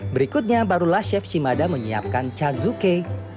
berikutnya barulah chef shimada menyiapkan cazuke